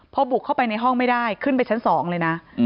พอบุกเข้าไปในห้องไม่ได้ขึ้นไปชั้น๒เลยนะ